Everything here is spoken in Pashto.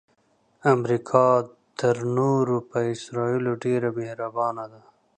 امریکا تر نورو په اسراییلو ډیره مهربانه ده.